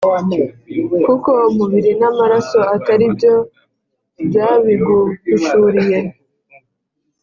kuko umubiri n’amaraso atari byo byabiguhishuriye,